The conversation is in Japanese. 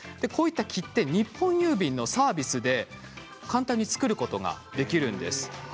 こういう切手日本郵便のサービスで簡単に作ることができるんです。